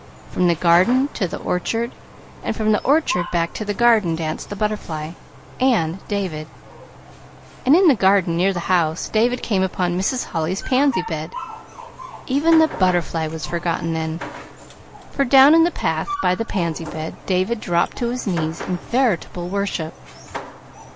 From the garden to the orchard, and from the orchard back to the garden danced the butterfly and David; and in the garden, near the house, David came upon Mrs. Holly's pansy bed. Even the butterfly was forgotten then, for down in the path by the pansy bed David dropped to his knees in veritable worship.